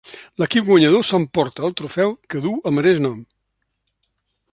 L'equip guanyador s'emporta el trofeu que duu el mateix nom.